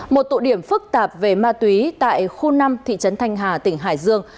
một tụ điểm phức tạp về ma túy tại khu năm thị trấn thanh hà tỉnh hải dương